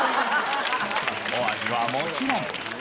お味はもちろん。